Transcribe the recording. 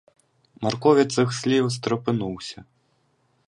Марко від цих слів стрепенувся.